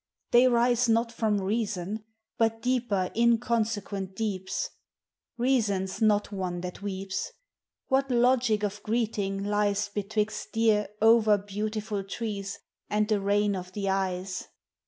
They rise not from reason, but deeper inconse quent deeps. Reason 's not one that weeps. What logic of greeting lies Betwixt dear over beautiful trees and the rain of the eyes